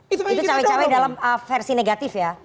itu cawe cawe dalam versi negatif ya